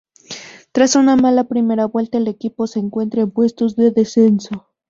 Tras una mala primera vuelta, el equipo se encuentra en puestos de descenso.